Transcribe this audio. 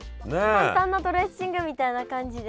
簡単なドレッシングみたいな感じで。